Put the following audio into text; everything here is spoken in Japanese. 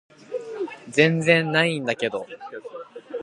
全然ないんだけど